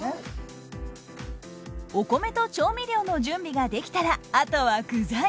お米と調味料の準備ができたらあとは具材。